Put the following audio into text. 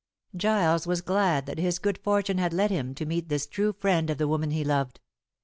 Giles was glad that his good fortune had led him to meet this true friend of the woman he loved.